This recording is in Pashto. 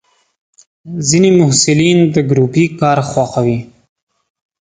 ځینې محصلین د ګروپي کار خوښوي.